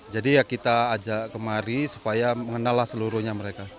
jadi ya kita ajak kemari supaya mengenal seluruhnya mereka